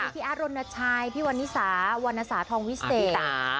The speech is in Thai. พี่อาร์รณชัยพี่วันนิสาวรรณสาธองวิเศษ